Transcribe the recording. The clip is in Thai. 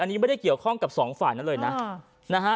อันนี้ไม่ได้เกี่ยวข้องกับสองฝ่ายนั้นเลยนะ